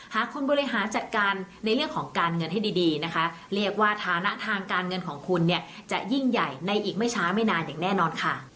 หากคุณบริหารจัดการในเรื่องของการเงินให้ดีนะคะเรียกว่าฐานะทางการเงินของคุณเนี่ยจะยิ่งใหญ่ในอีกไม่ช้าไม่นานอย่างแน่นอนค่ะ